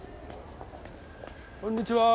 こんにちは！